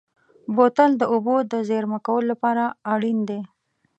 بوتل د اوبو د زېرمه کولو لپاره اړین دی.